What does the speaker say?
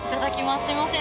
すみません